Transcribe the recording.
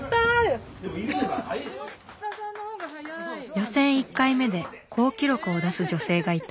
予選１回目で好記録を出す女性がいた。